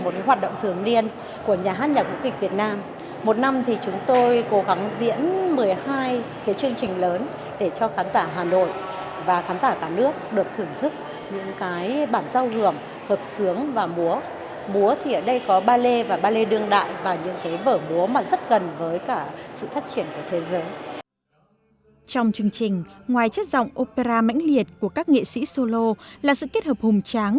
trong chương trình ngoài chất giọng opera mãnh liệt của các nghệ sĩ solo là sự kết hợp hùng tráng